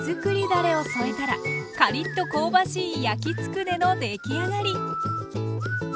だれを添えたらカリッと香ばしい焼きつくねのできあがり。